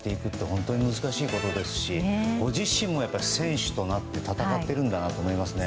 本当に難しいことですしご自身も選手となって戦っているんだなと思います。